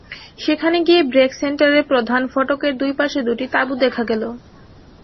সেখানে গিয়ে ব্র্যাক সেন্টারের প্রধান ফটকের দুই পাশে দুটি তাঁবু দেখা গেল।